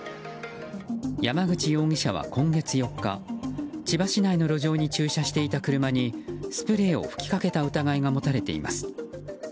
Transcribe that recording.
山口容疑者は今月４日千葉市内の路上に駐車していた車にスプレーを吹きかけた疑いが持たれています。